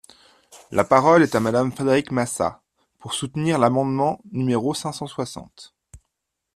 La parole est à Madame Frédérique Massat, pour soutenir l’amendement numéro cinq cent soixante.